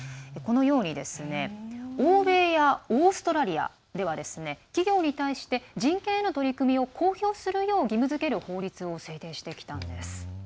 このように、欧米やオーストラリアでは企業に対して人権への取り組みを公表するよう義務付ける法律を制定してきたんです。